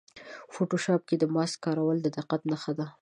فوټوشاپ کې د ماسک کارول د دقت نښه ده.